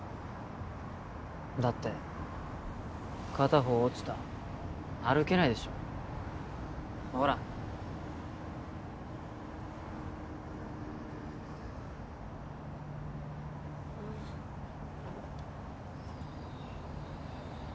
だって片方落ちた歩けないでしょほらああ